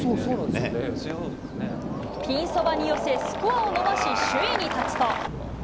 ピンそばに寄せ、スコアを伸ばし、首位に立つと。